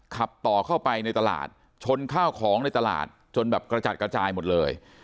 ขับต่อเข้าไปในตลาดชนข้าวของในตลาดจนแบบกระจัดกระจายหมดเลย